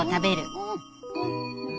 うん！